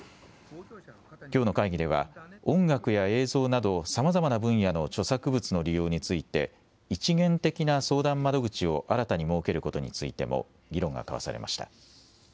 きょうの会議では音楽や映像などさまざまな分野の著作物の利用について一元的な相談窓口を新たに設けることについても議論が交わされました。